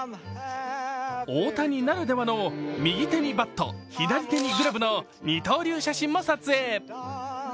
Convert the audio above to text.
大谷ならではの右手にバット左手にグラブの二刀流写真も撮影。